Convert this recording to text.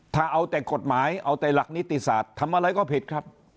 ถ้าเอาแต่กฎหมายเอาแต่หลักนิติศาสตร์ทำอะไรก็ผิดครับ